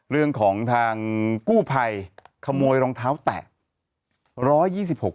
เรื่องของทางกู้ภัยขโมยรองเท้าแตะ